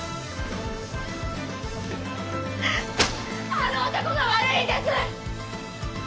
あの男が悪いんです！